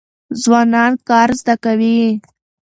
ځوانان کار زده کوي.